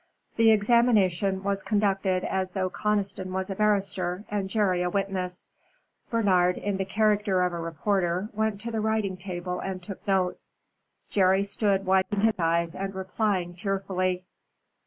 The examination was conducted as though Conniston was a barrister and Jerry a witness. Bernard, in the character of a reporter, went to the writing table and took notes. Jerry stood wiping his eyes and replying tearfully.